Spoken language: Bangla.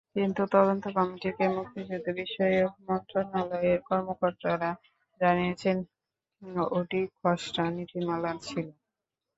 কিন্তু তদন্ত কমিটিকে মুক্তিযুদ্ধবিষয়ক মন্ত্রণালয়ের কর্মকর্তারা জানিয়েছেন, ওটি খসড়া নীতিমালা ছিল।